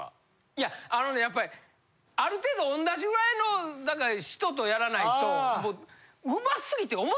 いやあのねやっぱりある程度おんなじぐらいの人とやらないと。